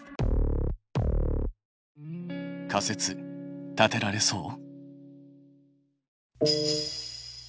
仮説立てられそう？